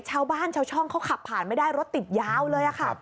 ชาวบ้านชาวช่องเขาขับผ่านไม่ได้รถติดยาวเลยค่ะ